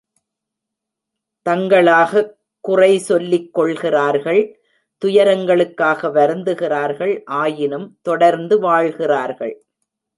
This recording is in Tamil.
தங்களாகக் குறை சொல்லிக் கொள்கிறார்கள் துயரங்களுக்காக வருந்துகிறார்கள் ஆயினும் தொடர்ந்து வாழ்கிறார்கள்!